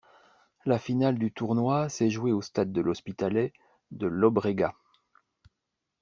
La finale du tournoi s'est jouée au stade de L'Hospitalet de Llobregat.